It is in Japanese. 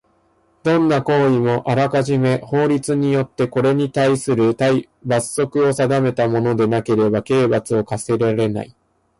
どんな行為もあらかじめ法律によってこれにたいする罰則を定めたものでなければ刑罰を科せられない。